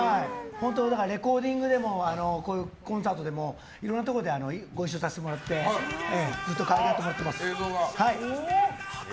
レコーディングでもコンサートでもいろんなところでご一緒させてもらってずっと可愛がってもらってます。